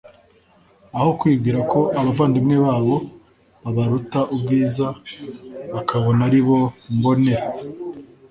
aho kwibwira ko abavandimwe babo babaruta ubwiza, bakabona ari bo mbonera.